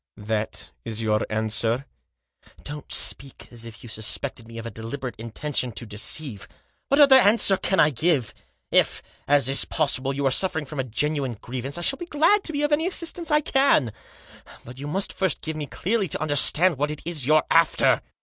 " That is your answer ?"" Don't speak as if you suspected me of a deliberate intention to deceive. What other answer can I give ? Digitized by 222 THE JOSS. If, as is possible, you are suffering from a genuine grievance, I shall be glad to be of any assistance I can. But you must first give me clearly to understand what it is you're after.